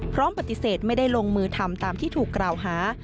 พร้อมปฏิเสธไม่ได้ลงมือทำตามที่ถูกกล่าวหา